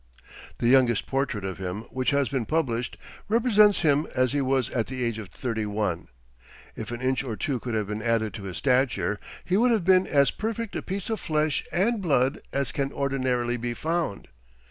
The youngest portrait of him which has been published represents him as he was at the age of thirty one. If an inch or two could have been added to his stature he would have been as perfect a piece of flesh and blood as can ordinarily be found.